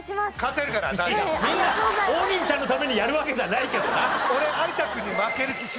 みんな王林ちゃんのためにやるわけじゃないけどな。